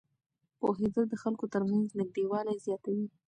پوهېدل د خلکو ترمنځ نږدېوالی زیاتوي.